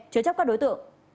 chứa chấp các đối tượng